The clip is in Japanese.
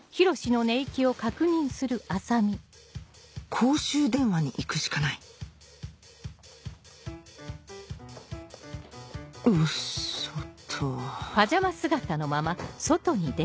公衆電話に行くしかないうっ